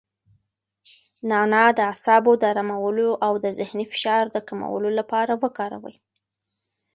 نعناع د اعصابو د ارامولو او د ذهني فشار د کمولو لپاره وکاروئ.